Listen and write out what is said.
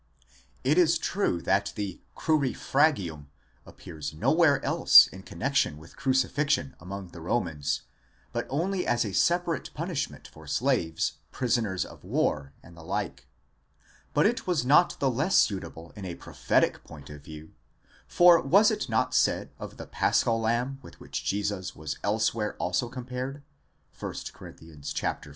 It is true that the crurifragium appears nowhere else in connexion with crucifixion among the Romans, but only as a separate punishment for slaves, prisoners of war, and the like.!7 But it was not the less suitable in a. prophetic point of view ; for was it not said of the Paschal lamb with which Jesus was elsewhere also compared (1 Cor.